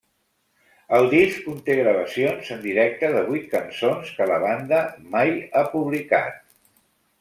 El disc conté gravacions en directe de vuit cançons que la banda mai ha publicat.